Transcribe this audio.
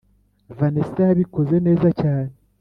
vanesa yabikoze neza cyane